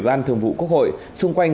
và tăng trí ngay